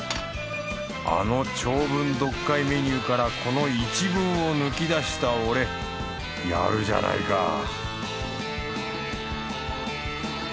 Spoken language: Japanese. あの長文読解メニューからこの一文を抜き出した俺やるじゃないか！